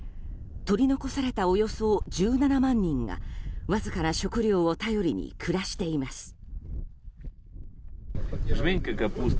取り残された、およそ１７万人がわずかな食料を頼りに暮らしています。